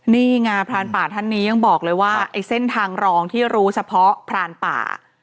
นี่ไงพรานป่าท่านนี้ยังบอกเลยว่าไอ้เส้นทางรองที่รู้เฉพาะพรานป่า